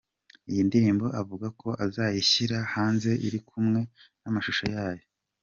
Iyi ndirimbo avuga ko azayishyira hanze iri kumwe n’amashusho yayo.